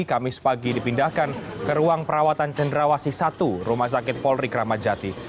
kamis pagi dipindahkan ke ruang perawatan jendrawasi satu rumah sakit polri kramat jati